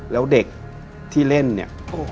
แล้วเด็กที่เล่นเนี่ย